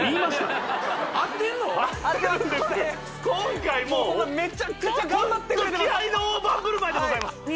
今回もうめちゃくちゃ頑張ってくれてます